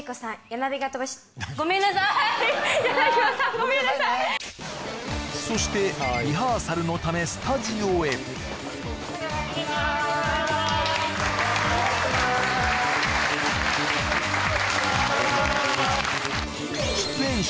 ごめんなさいそしてリハーサルのためスタジオへお願いしまーす出演者